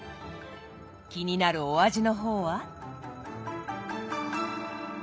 気になるお味の方は？